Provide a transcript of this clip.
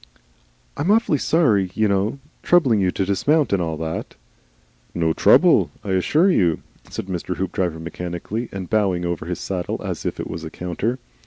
"I'm awfully sorry, you know. Troubling you to dismount, and all that." "No trouble. 'Ssure you," said Mr. Hoopdriver, mechanically and bowing over his saddle as if it was a counter.